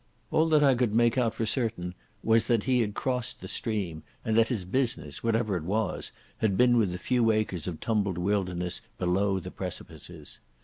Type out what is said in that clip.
All that I could make out for certain was that he had crossed the stream, and that his business, whatever it was, had been with the few acres of tumbled wilderness below the precipices.